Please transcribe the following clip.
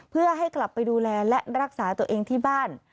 เพื่อให้กลับไปดูแลและรักษาตัวเองที่บ้าน